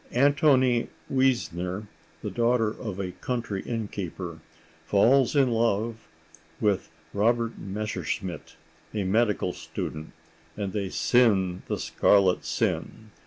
Antonie Wiesner, the daughter of a country innkeeper, falls in love with Robert Messerschmidt, a medical student, and they sin the scarlet sin.